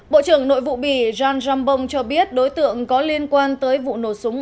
bộ trưởng nội vụ bỉ jean jambon cho biết đối tượng có liên quan tới vụ nổ súng